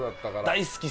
大好き！